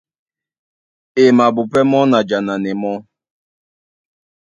E mabupɛ́ mɔ́ na jananɛ mɔ́,